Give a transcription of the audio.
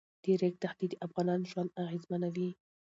د ریګ دښتې د افغانانو ژوند اغېزمنوي.